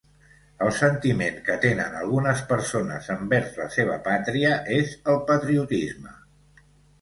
El sentiment que tenen algunes persones envers la seva pàtria és el patriotisme.